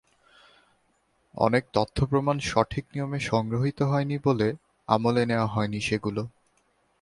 অনেক তথ্যপ্রমাণ সঠিক নিয়মে সংগৃহীত হয়নি বলে আমলে নেওয়া হয়নি সেগুলো।